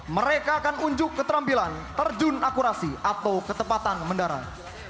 mereka akan unjuk keterampilan terjun akurasi atau ketepatan mendarat